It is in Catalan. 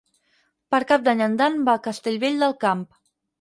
Per Cap d'Any en Dan va a Castellvell del Camp.